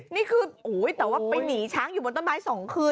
นี่คือแต่ว่าไปหนีช้างอยู่บนต้นไม้๒คืน